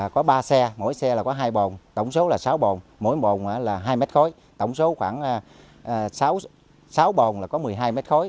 có ba xe mỗi xe là có hai bồn tổng số là sáu bồn mỗi bồn là hai mét khối tổng số khoảng sáu bồn là có một mươi hai m ba